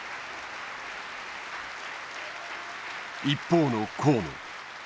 一方の河野。